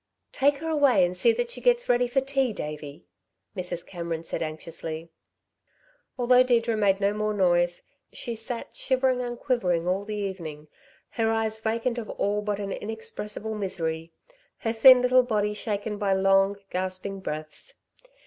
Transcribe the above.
"Take her away and see that she gets ready for tea, Davey," Mrs. Cameron said anxiously. Although Deirdre made no more noise, she sat shivering and quivering all the evening, her eyes vacant of all but an inexpressible misery, her thin little body shaken by long, gasping breaths.